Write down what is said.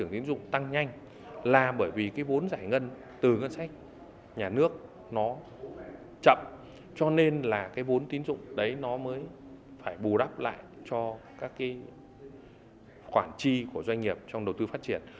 tín dụng đấy nó mới phải bù đắp lại cho các cái khoản chi của doanh nghiệp trong đầu tư phát triển